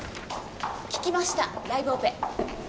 聞きましたライブオペ。